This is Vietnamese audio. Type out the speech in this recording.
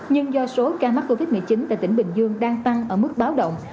nhưng do số ca mắc covid một mươi chín tại tỉnh bình dương đang tăng ở mức báo động